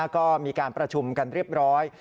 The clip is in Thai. ก็มีการประชุมกันเรียบร้อย